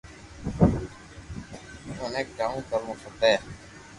مني ڪاو ڪرووُ کپي